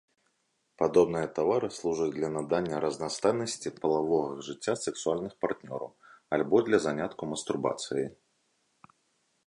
Падобныя тавары служаць для надання разнастайнасці палавога жыцця сексуальных партнёраў, альбо для занятку мастурбацыяй.